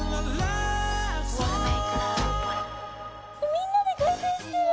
みんなで回転してる！